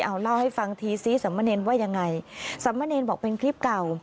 เอาเล่าให้ฟังทีซิสมเนรว่ายังไงสามเณรบอกเป็นคลิปเก่า